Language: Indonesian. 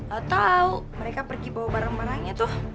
gak tau mereka pergi bawa barang barangnya tuh